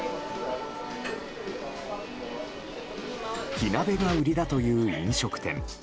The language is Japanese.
火鍋が売りだという飲食店。